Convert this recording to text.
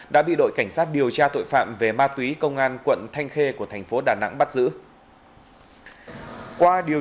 đã bị đội cảnh sát điều tra tội phạm về ma túy công an quận thanh khê của thành phố đà nẵng bắt giữ